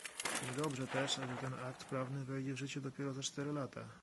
Niedobrze też, że ten akt prawny wejdzie w życie dopiero za cztery lata